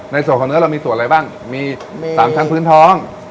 ในส่วนของเนื้อเรามีส่วนอะไรบ้างมี๓ชั้นพื้นท้อง